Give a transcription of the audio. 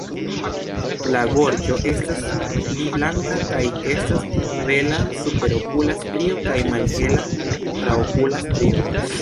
La gorĝo estas pli blanka kaj estas hela superokula strio kaj malhela traokula strio.